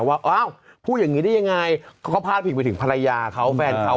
ว่าอ้าวพูดอย่างนี้ได้ยังไงเขาก็พาดพิงไปถึงภรรยาเขาแฟนเขา